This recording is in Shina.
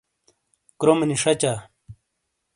کرومینی شَچا۔